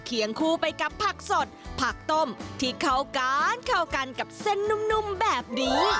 เคียงคู่ไปกับผักสดผักต้มที่เข้ากันเข้ากันกับเส้นนุ่มแบบนี้